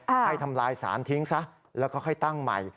ให้ทำลายสารทิ้งซะแล้วก็ค่อยตั้งใหม่